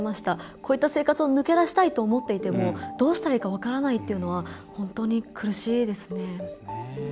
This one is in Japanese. こういった生活を抜け出したいと思っていてもどうしたらいいか分からないというのは本当に苦しいですね。